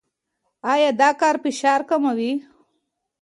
ایا دا کار فشار کموي؟